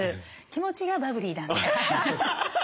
気持ちがバブリーなんで。